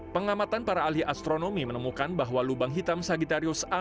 pengamatan para alih astronomi menemukan bahwa lubang hitam sagittarius a